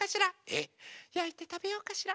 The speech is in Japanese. えっ⁉やいてたべようかしら？